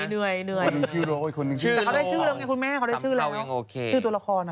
คนหนึ่งชื่อโลอีกคนหนึ่งชื่อโลแต่เขาได้ชื่อแล้วไงคุณแม่เขาได้ชื่อแล้วเนอะ